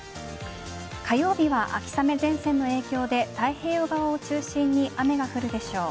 火曜日は、秋雨前線の影響で太平洋側を中心に雨が降るでしょう。